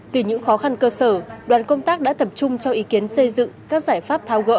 từ những khó khăn cơ sở đoàn công tác đã tập trung cho ý kiến xây dựng các giải pháp thao gỡ